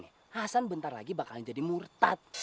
nanti dikira nih hasan bentar lagi bakalan jadi murtad